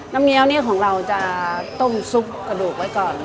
เงี้ยวเนี่ยของเราจะต้มซุปกระดูกไว้ก่อน